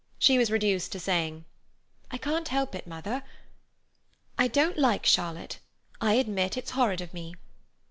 She was reduced to saying: "I can't help it, mother. I don't like Charlotte. I admit it's horrid of me."